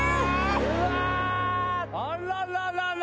うわあらららら。